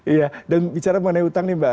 iya dan bicara mengenai utang nih mbak